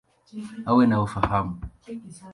Awe na ufahamu.